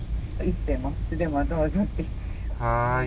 はい。